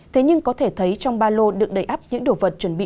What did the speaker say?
thế nhưng có thể thấy trong ba lô được đầy ấp những đồ vật chuẩn bị